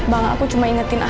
bang aku cuma ingetin